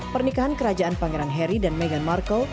pernikahan kerajaan pangeran harry dan meghan markle